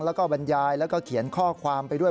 แล้วก็บรรยายแล้วก็เขียนข้อความไปด้วย